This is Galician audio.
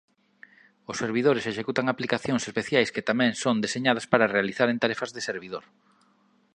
Os servidores executan aplicacións especiais que tamén son deseñadas para realizaren tarefas de servidor.